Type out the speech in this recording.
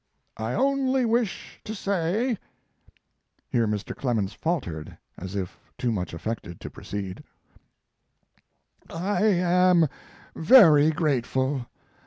I only wish to say (here Mr. Clemens faltered as if too much affected to proceed) I am very grateful.